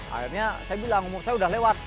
akhirnya saya bilang umur saya sudah lewat